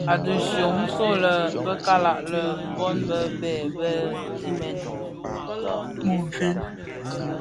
A dishyön, nso yè bè kalag lè bon be bhèi bë dimen bë muufin.